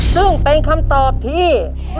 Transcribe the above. ซึ่งเป็นคำตอบที่